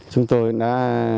chúng tôi đã